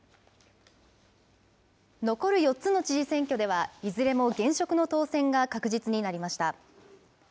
残る４つの知事選挙ではいずれも現職の当選が確実になりました。